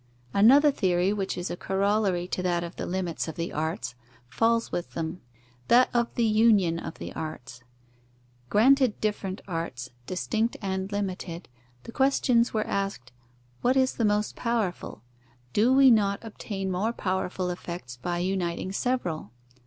_ Another theory which is a corollary to that of the limits of the arts, falls with them; that of the union of the arts. Granted different arts, distinct and limited, the questions were asked: Which is the most powerful? Do we not obtain more powerful effects by uniting several?